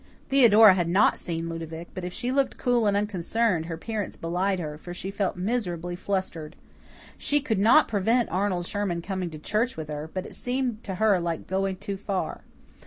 Theodora had not seen Ludovic, but if she looked cool and unconcerned, her appearance belied her, for she felt miserably flustered. She could not prevent Arnold Sherman coming to church with her, but it seemed to her like going too far.